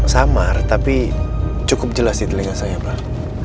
samar tapi cukup jelas di telinga saya pak